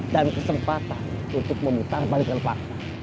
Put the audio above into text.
dan kesempatan untuk memutar balikan fakta